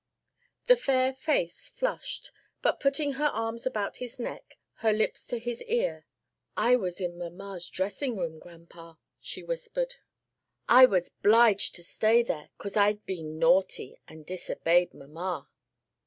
The fair face flushed, but putting her arms about his neck, her lips to his ear, "I was in mamma's dressing room, grandpa," she whispered. "I was 'bliged to stay there, 'cause I'd been naughty and disobeyed mamma."